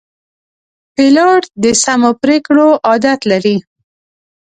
پیلوټ د سمو پرېکړو عادت لري.